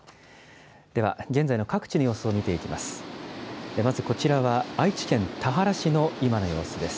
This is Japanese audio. では現在の各地の様子を見ていきます。